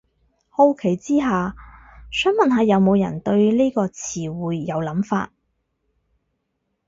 好奇之下，想問下有無人對呢個詞彙有諗法